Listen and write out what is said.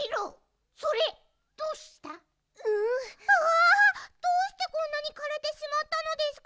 あどうしてこんなにかれてしまったのですか？